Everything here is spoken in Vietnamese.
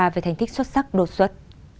về thành tích xuất sắc đột xuất